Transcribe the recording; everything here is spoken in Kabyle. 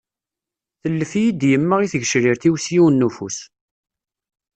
Tellef-iyi-d yemma i tgecrirt-w s yiwen n ufus.